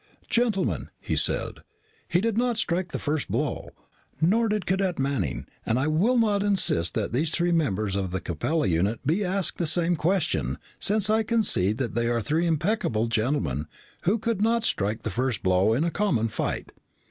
"Gentlemen," he said, "he did not strike the first blow, nor did Cadet Corbett, nor Cadet Manning. And I will not insist that the three members of the Capella unit be asked the same question, since I concede that they are three impeccable gentlemen who could not strike the first blow in a common fight."